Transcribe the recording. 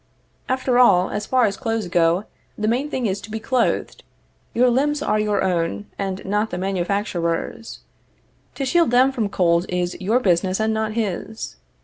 After all, as far as clothes go, the main thing is to be clothed. Your limbs are your own, and not the manufacturer's. To shield them from cold is your business and not his.